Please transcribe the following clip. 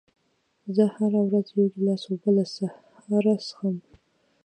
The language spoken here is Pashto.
زه هره ورځ یو ګیلاس اوبه له سهاره څښم.